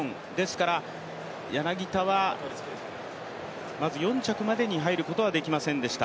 柳田は４着までに入ることはできませんでした。